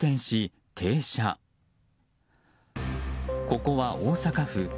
ここは大阪府。